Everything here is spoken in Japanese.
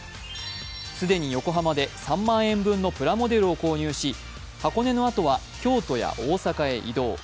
既に横浜で３万円分のプラモデルを購入し箱根のあとは京都や大阪へ移動。